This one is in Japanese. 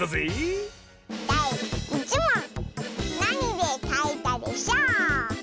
だい１もん「なにでかいたでショー」！